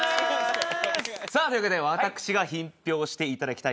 さあというわけで私が品評していただきたい